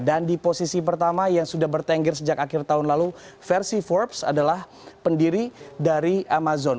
dan di posisi pertama yang sudah bertengger sejak akhir tahun lalu versi forbes adalah pendiri dari amazon